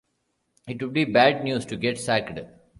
It would be bad news to get sacked.